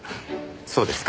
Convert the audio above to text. そうですか。